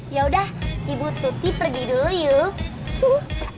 yaudah ibu tuti pergi dulu yuk